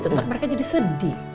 nanti mereka jadi sedih